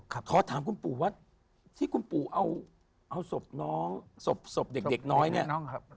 ขอถามคุณปู่ว่าที่คุณปู่เอาศพน้องศพเด็กเด็กน้อยเนี่ย